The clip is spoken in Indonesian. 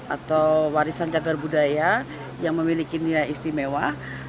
atau warisan cagar budaya yang memiliki nilai istimewa